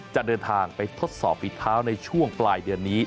จะเดินทางไปทดสอบฝีเท้าในช่วงปลายเดือนนี้